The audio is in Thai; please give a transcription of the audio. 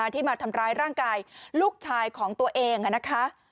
ที่มาทำร้ายร่างกายลูกชายของตัวเองนะคะ